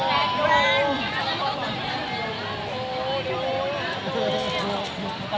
ไอพวกกันร้องด้วยนะคะ